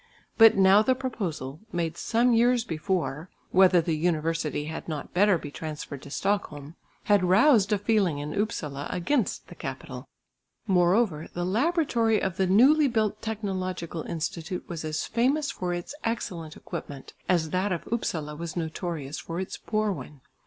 But now the proposal made some years before whether the university had not better be transferred to Stockholm had roused a feeling in Upsala against the capital. Moreover the laboratory of the newly built technological institute was as famous for its excellent equipment, as that of Upsala was notorious for its poor one.